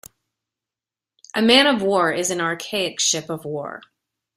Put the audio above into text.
A Man o’ War is an archaic ship of war.